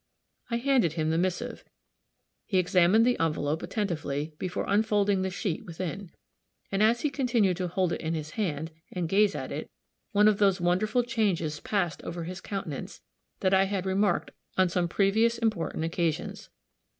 I handed him the missive. He examined the envelope attentively, before unfolding the sheet within; and as he continued to hold it in his hand, and gaze at it, one of those wonderful changes passed over his countenance that I had remarked on some previous important occasions.